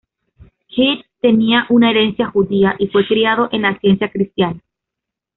Keith tenía una herencia judía y fue criado en la Ciencia Cristiana.